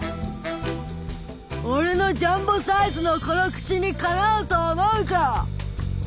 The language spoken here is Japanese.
「俺のジャンボサイズのこの口にかなうと思うか！」。